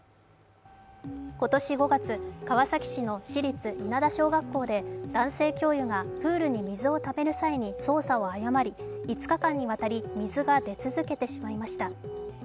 今年５月、川崎市の市立稲田小学校で男性教諭がプールに水をためる際に操作を誤り５日間にわたり水が出続けてしまいました。